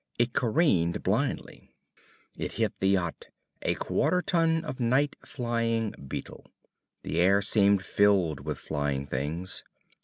It careened blindly. It hit the yacht, a quarter ton of night flying beetle. The air seemed filled with flying things.